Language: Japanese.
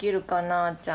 あーちゃん。